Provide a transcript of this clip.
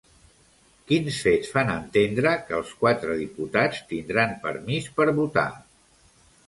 Quins fets fan entendre que els quatre diputats tindran permís per votar?